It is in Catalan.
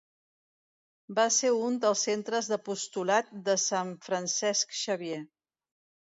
Va ser un dels centres d'apostolat de sant Francesc Xavier.